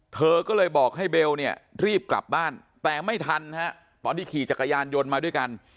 เธอก็เลยบอกให้เบลเนี่ยรีบกลับบ้านแต่ไม่ทันฮะตอนที่ขี่จักรยานยนต์มาด้วยกัน